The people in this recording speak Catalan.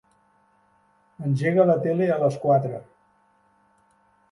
Engega la tele a les quatre.